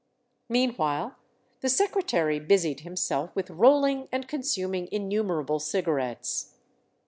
Meanwhile the secretary busied himself with roll ing and consuming innumerable cigarettes.